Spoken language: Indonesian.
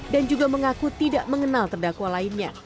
dan juga mengaku tidak mengenal terdakwa lainnya